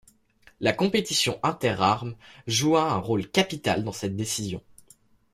La compétition interarmes joua un rôle capital dans cette décision.